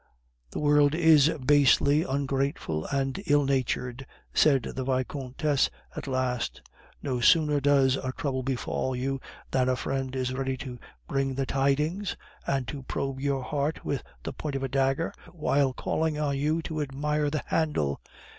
"The world is basely ungrateful and ill natured," said the Vicomtesse at last. "No sooner does a trouble befall you than a friend is ready to bring the tidings and to probe your heart with the point of a dagger while calling on you to admire the handle.